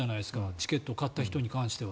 チケットを買った人に関しては。